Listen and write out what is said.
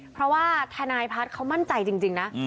เพราะว่าทนายพัฒน์เขามั่นใจจริงนะ